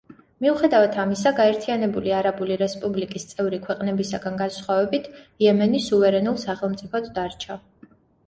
მიუხედავად ამისა, გაერთიანებული არაბული რესპუბლიკის წევრი ქვეყნებისაგან განსხვავებით, იემენი სუვერენულ სახელმწიფოდ დარჩა.